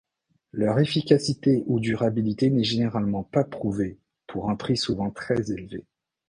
Leur efficacité ou durabilité n’est généralement pas prouvée, pour un prix souvent très élevé.